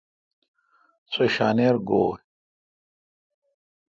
سو ݭانیر گویں۔